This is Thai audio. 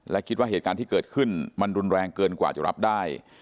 และคิดว่าเหตุการณ์ที่เกิดขึ้นมันรุนแรงเกินกว่าจะรับได้